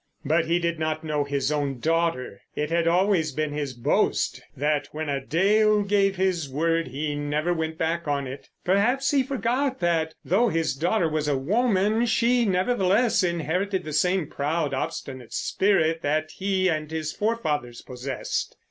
But he did not know his own daughter. It had always been his boast that when a Dale gave his word he never went back on it. Perhaps he forgot that though his daughter was a woman she nevertheless inherited the same proud, obstinate spirit that he and his forefathers possessed.